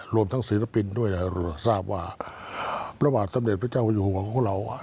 รวมทั้งศิลปินด้วยทราบว่าพระบาทสมเด็จพระเจ้าอยู่หัวของเรา